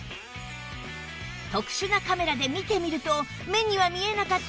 特殊なカメラで見てみると目には見えなかった